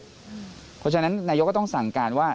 เพราะฉะนั้นนายกก็ต้องสั่งการว่า